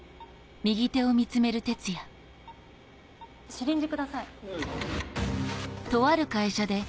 シリンジください。